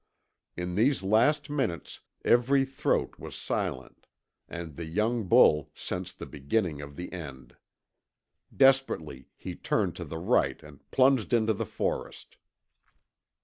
In these last minutes every throat was silent, and the young bull sensed the beginning of the end. Desperately he turned to the right and plunged into the forest.